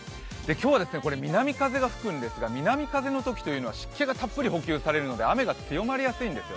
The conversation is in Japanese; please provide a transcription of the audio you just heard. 今日は南風が吹くんですが南風のときというのは湿気がたっぷり補給されるので雨が強まりやすいんです。